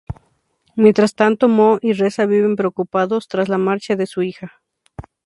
Mientras tanto, Mo y Resa viven preocupados tras la marcha de su hija.